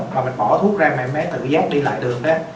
mà mình bỏ thuốc ra mà em bé tự dắt đi lại đường đó